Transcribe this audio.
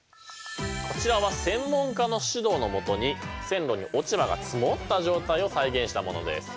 こちらは専門家の指導の下に線路に落ち葉が積もった状態を再現したものです。